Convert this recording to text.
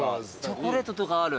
チョコレートとかある。